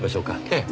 ええ。